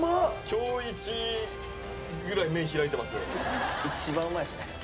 今日イチぐらい目開いてますよ一番うまいですね